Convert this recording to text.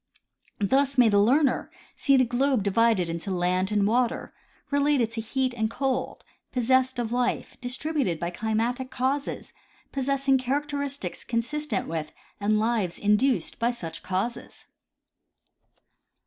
Thus may the learner see the globe divided into land and water, related to heat and cold, possessed of life, dis tributed by climatic causes, possessing characteristics consistent with and lives induced by such causes.